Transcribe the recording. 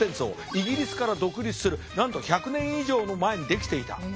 イギリスから独立するなんと１００年以上も前にできていた。